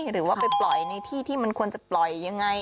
หรือว่าไปปล่อยในที่ที่มันควรจะปล่อยยังไง